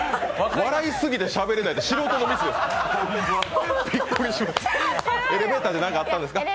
笑いすぎてしゃべれないって素人のミスですからね。